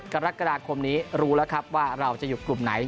กรกฎาคมนี้รู้แล้วครับว่าเราจะอยู่กลุ่มไหน